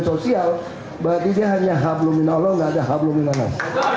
berarti dia hanya hablumin allah dan tidak ada hablumin namas